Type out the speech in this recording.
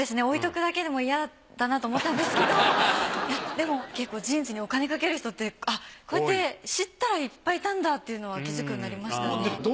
置いておくだけでもイヤだなと思ったんですけどでも結構ジーンズにお金かける人ってこうやって知ったらいっぱいいたんだっていうのは気づくようになりましたね。